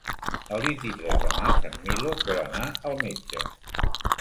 El vint-i-tres de maig en Milos vol anar al metge.